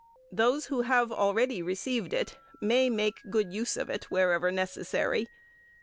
Those who have already received it may make good use of it wherever necessary.